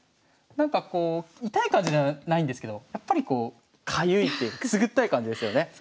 なんかこう痛い感じじゃないんですけどやっぱりこうかゆいっていうくすぐったい感じですよね。